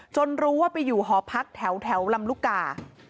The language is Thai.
จนรู้ว่าไปอยู่ฮพักแถวลำลุกา